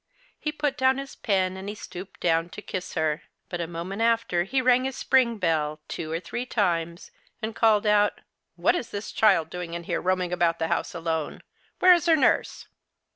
He put down his pen, and he stooj^ed down to kiss her ; but a moment after he rang his spring bell, two or three times, and called out, ' What is this child doing here, roaming about the house alone ? Where is her nurse